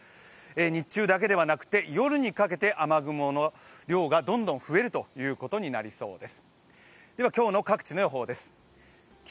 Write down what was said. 日中だけではなくて、夜にかけて雨雲の量がどんどん増えることになりそうです。